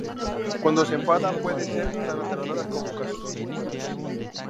Cuando se enfada, puede ser tan aterradora como Kazuki.